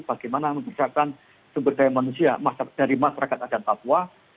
bagaimana menciptakan sumber daya manusia dari masyarakat adat papua